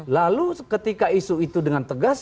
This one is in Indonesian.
lalu ketika isu itu dengan tegas